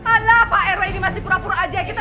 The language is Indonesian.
ala pak rw ini masih pura pura aja kita